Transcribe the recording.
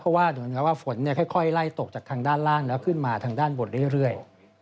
เพราะว่าฝนค่อยไล่ตกจากทางด้านล่างแล้วขึ้นมาทางด้านบนเรื่อย